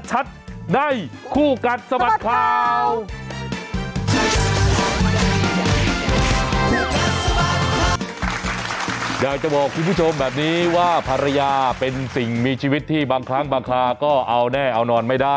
อยากจะบอกคุณผู้ชมแบบนี้ว่าภรรยาเป็นสิ่งมีชีวิตที่บางครั้งบางคราก็เอาแน่เอานอนไม่ได้